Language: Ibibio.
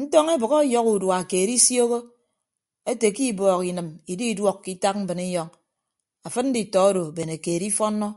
Ntọñ ebʌk ọyọhọ udua keed isioho ete ke ibọọk inịm ididuọk ke itak mbrinyọñ afịd nditọ odo bene keed ifọnnọ.